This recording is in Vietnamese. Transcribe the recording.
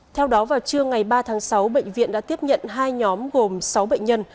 theo đó vào trưa ngày ba tháng sáu bệnh viện đã tiếp nhận hai nhóm gồm sáu bệnh nhân